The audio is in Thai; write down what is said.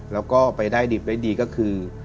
แล้วก็ไปได้ดีก็คือ